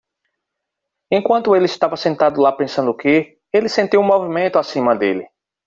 Enquanto ele estava sentado lá pensando que? ele sentiu o movimento acima dele.